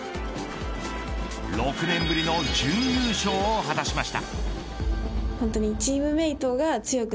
６年ぶりの準優勝を果たしました。